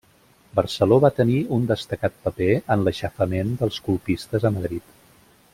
Barceló va tenir un destacat paper en l'aixafament dels colpistes a Madrid.